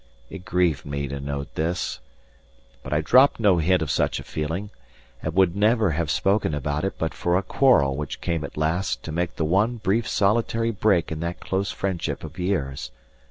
It grieved me to note this, but I dropped no hint of such a feeling, and would never have spoken about it but for a quarrel which came at last to make the one brief solitary break in that close friendship of years.